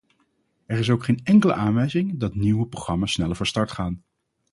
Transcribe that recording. Er is ook geen enkele aanwijzing dat nieuwe programma's sneller van start gaan.